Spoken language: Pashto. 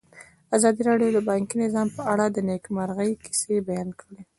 ازادي راډیو د بانکي نظام په اړه د نېکمرغۍ کیسې بیان کړې.